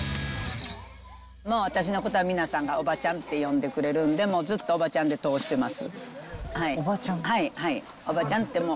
私のことは、皆さんがおばちゃんって呼んでくれるんで、もうずっとおばちゃんで通してます。